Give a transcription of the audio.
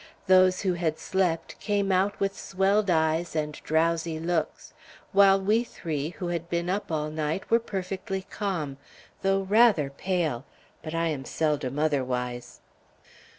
Those who had slept, came out with swelled eyes and drowsy looks; while we three, who had been up all night, were perfectly calm, though rather pale; but I am seldom otherwise.